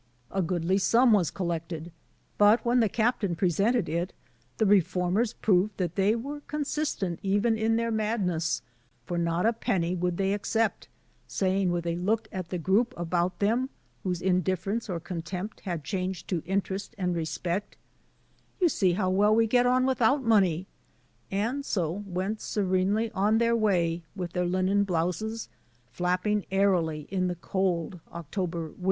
A goodly sum was collected; but when the captain presented it the reformers proved that they were consistent even in their madness, for not a penny would they accept, saying, with a look at the group about them, whose indifference or contempt had changed to interest and respect, "You see how well we get on without money"; and so went serenely on their way, with their linen blouses flapping airily in the cold October wind.